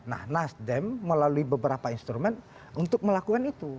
nah nasdem melalui beberapa instrumen untuk melakukan itu